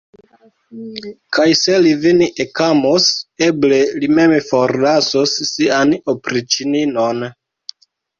Kaj se li vin ekamos, eble li mem forlasos sian opriĉninon.